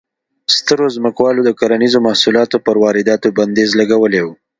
سترو ځمکوالو د کرنیزو محصولاتو پر وارداتو بندیز لګولی و.